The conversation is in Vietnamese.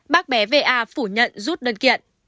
bác bé va phủ nhận rút đơn kiện